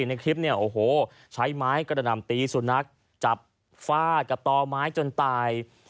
ในคลิปเนี่ยโอ้โหใช้ไม้กระดำตีสุนัขจับฟาดกับต่อไม้จนตาย